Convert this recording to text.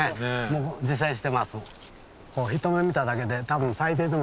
もう自生してます。